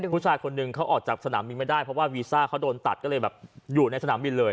ผู้ชายคนหนึ่งเขาออกจากสนามบินไม่ได้เพราะว่าวีซ่าเขาโดนตัดก็เลยแบบอยู่ในสนามบินเลย